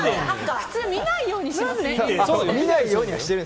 普通、見ないようにしません？